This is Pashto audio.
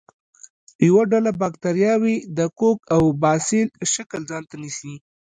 یوه ډله باکتریاوې د کوک او باسیل شکل ځانته نیسي.